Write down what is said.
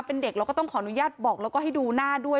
เป็นเด็กเราก็ขออนุญาตให้ดูหน้าด้วย